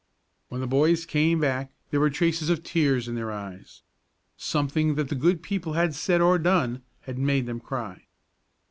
When the two boys came back there were traces of tears in their eyes. Something that the good people had said or done had made them cry.